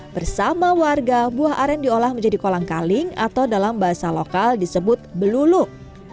bersama warga buah aren diolah menjadi kolang kaling atau dalam bahasa lokal disebut beluluk